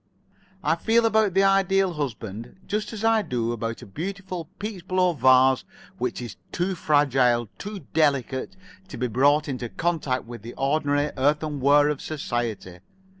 I feel about the Ideal Husband just as I do about a beautiful peachblow vase which is too fragile, too delicate to be brought into contact with the ordinary earthen ware of society.